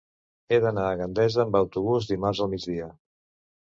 He d'anar a Gandesa amb autobús dimarts al migdia.